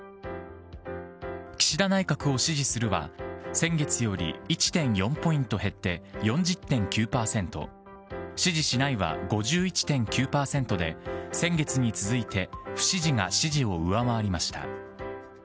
岸田内閣を支持するは先月より１．４ポイント減って４０．９％、支持しないは５１．９％で、先月に続いて不支持が支持を上回りました。